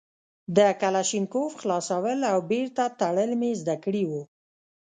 د کلاشينکوف خلاصول او بېرته تړل مې زده کړي وو.